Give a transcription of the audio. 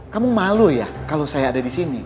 kamu malu ya kalau saya ada di sini